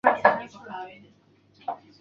英文版本于同一年在欧洲地区发行。